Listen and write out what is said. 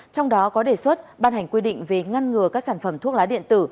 trong đó có đề xuất ban hành quy định về ngăn ngừa các sản phẩm thuốc lá điện tử